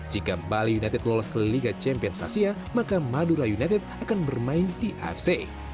jika bali united lolos ke liga champions asia maka madura united akan bermain di afc